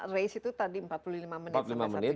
race itu tadi empat puluh lima menit